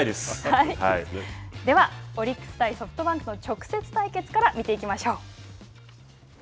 ではオリックス対ソフトバンクの直接対決から見ていきましょう。